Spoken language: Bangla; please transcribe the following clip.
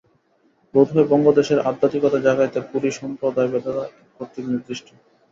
বোধহয় বঙ্গদেশের আধ্যাত্মিকতা জাগাইতে পুরী-সম্প্রদায় বিধাতা কর্তৃক নির্দিষ্ট।